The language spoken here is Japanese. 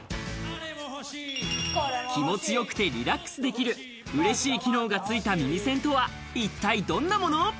気持ちよくてリラックスできる、うれしい機能がついた耳栓とは一体どんなもの？